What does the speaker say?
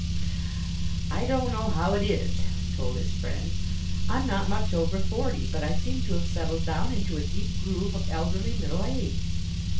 "I don't know how it is," he told his friend, "I'm not much over forty, but I seem to have settled down into a deep groove of elderly middle age.